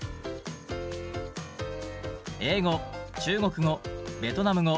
中国語ベトナム語